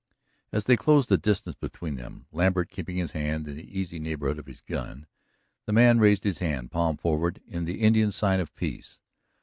As they closed the distance between them, Lambert keeping his hand in the easy neighborhood of his gun, the man raised his hand, palm forward, in the Indian sign of peace.